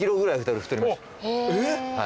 えっ！？